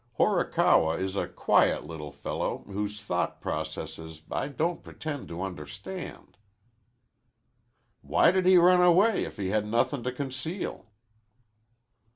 Horikawa is a quiet little fellow whose thought processes I don't pretend to understand." "Why did he run away if he had nothin' to conceal?"